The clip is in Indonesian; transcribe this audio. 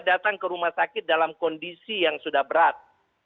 datang ke rumah sakit dalam kondisi yang sudah berat